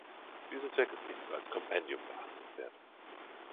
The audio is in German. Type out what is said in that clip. Dieses Werk ist nicht nur als Kompendium beachtenswert.